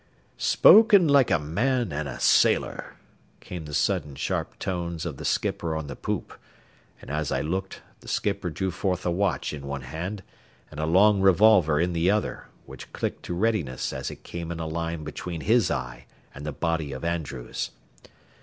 "Spoken like a man an' a sailor," came the sudden sharp tones of the skipper on the poop; and as I looked, the skipper drew forth a watch in one hand and a long revolver in the other, which clicked to readiness as it came in a line between his eye and the body of Andrews.